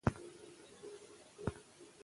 رحیم په غوسه کې خبرې کوي.